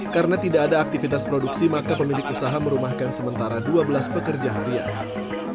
karena tidak ada aktivitas produksi maka pemilik usaha merumahkan sementara dua belas pekerja harian